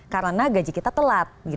karena gaji kita telat